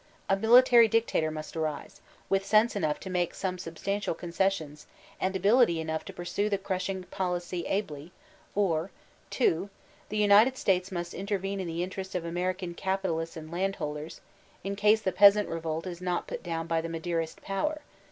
A military dictator must arise, with sense enough to make some substantial concessions, and ability enough to pursue the crushing policy ably; or 2. The United States must intervene in the interests of American capitalists and landholders, in case the pea sant revolt is not put down by the Maderist power.